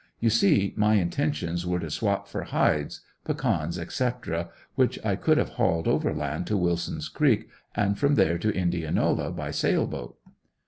You see my intentions were to swap for hides, pecans, etc., which I would have hauled overland to Willson's creek and from there to Indianola by sail boat.